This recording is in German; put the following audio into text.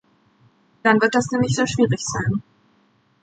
Dann wird das nämlich sehr schwierig sein.